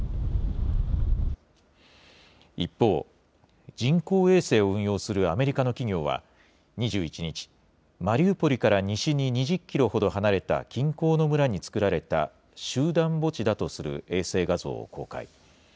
一方、人工衛星を運用するアメリカの企業は、２１日、マリウポリから西に２０キロほど離れた近郊の村に作られた集団墓地だとする衛星画像を公開。